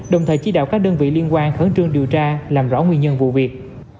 đồng thời chỉ đạo các đơn vị liên quan khẩn trương điều tra làm rõ nguyên nhân vụ việc